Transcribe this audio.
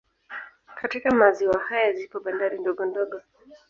Katika maziwa haya zipo bandari ndogo ndogo